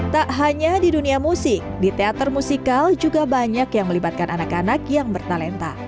tak hanya di dunia musik di teater musikal juga banyak yang melibatkan anak anak yang bertalenta